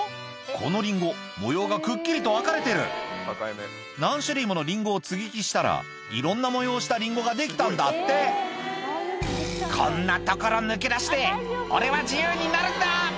このリンゴ模様がくっきりと分かれてる何種類ものリンゴを接ぎ木したらいろんな模様をしたリンゴができたんだって「こんな所抜け出して俺は自由になるんだ！」